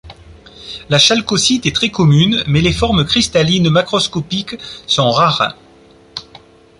La chalcocite est très commune mais les formes cristalline macroscopique sont rares.